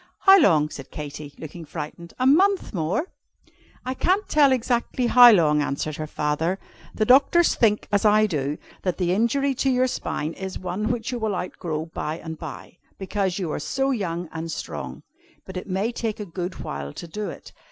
"How long?" said Katy, looking frightened: "a month more?" "I can't tell exactly how long," answered her father. "The doctors think, as I do, that the injury to your spine is one which you will outgrow by and by, because you are so young and strong. But it may take a good while to do it.